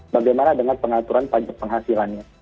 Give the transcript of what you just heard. bagaimana dengan pengaturan pajak penghasilannya